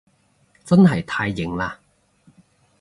真係太型喇